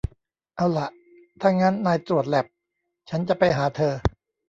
เอาล่ะ ถ้างั้นนายตรวจแลป ฉันจะไปหาเธอ